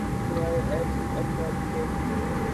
سوائے ایسی اداکاری کے۔